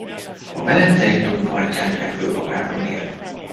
A Velencei-tó partján fekvő Agárdon él.